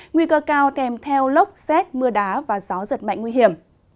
nguy cơ cao kèm theo lốc xét mưa đá và gió giật mạnh nguy hiểm